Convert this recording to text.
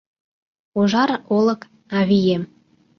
Ужар олык - авием.